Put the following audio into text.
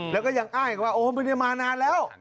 แล้วก็ยังอ้ายกับว่าโอ้มันยังมานานแล้ว